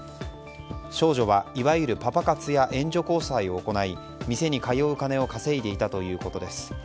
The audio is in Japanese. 少女は、いわゆるパパ活や援助交際を行い店に通う金を稼いでいたということです。